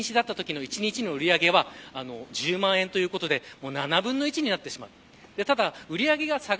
昨日の遊泳禁止のときの一日の売り上げは１０万円ということで７分の１になってしまう。